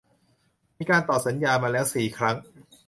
มีการต่อสัญญามาแล้ว สี่ ครั้ง